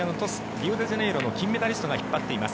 リオデジャネイロの金メダリストが引っ張っています。